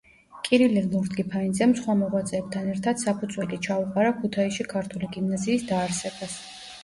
კირილე ლორთქიფანიძემ სხვა მოღვაწეებთან ერთად საფუძველი ჩაუყარა ქუთაისში ქართული გიმნაზიის დაარსებას.